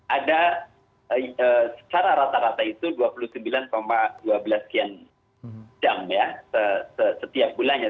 ada secara rata rata itu dua puluh sembilan dua belas sekian jam ya setiap bulannya